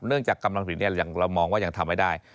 เนื่องจากกำลังผลิตนี้เรามองว่ายังทำได้